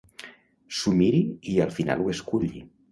S'ho miri i al final ho esculli.